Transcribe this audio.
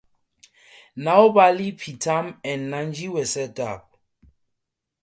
Now bali peetam and nandhi were set up.